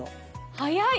早い！